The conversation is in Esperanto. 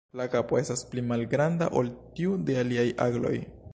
La kapo estas pli malgranda ol tiu de aliaj agloj.